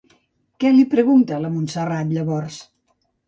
Què li pregunta la Montserrat llavors?